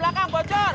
lan kunci lan